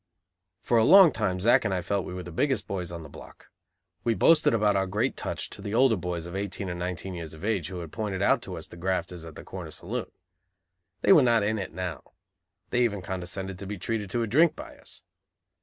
For a long time Zack and I felt we were the biggest boys on the block. We boasted about our great "touch" to the older boys of eighteen or nineteen years of age who had pointed out to us the grafters at the corner saloon. They were not "in it" now. They even condescended to be treated to a drink by us.